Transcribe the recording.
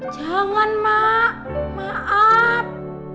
jangan mak maaf